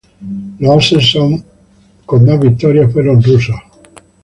Los ases con más victorias fueron rusos.